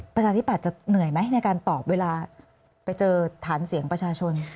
ประชาธิปัตย์จะเหนื่อยไหมในการตอบเวลาไปเจอฐานเสียงประชาชน